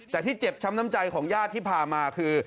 แต่ที่เจ็บช้ำน้ำใจของญาติที่พามาคือ